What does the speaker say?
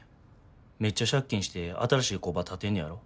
めっちゃ借金して新しい工場建てんねやろ？